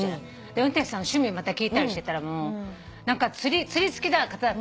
運転手さんの趣味また聞いたりしてたら釣り好きな方だった。